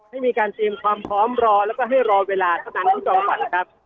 ให้มีการติมความพร้อมรอแล้วก็ให้รอเวลาต่างที่ต่อฝันครับ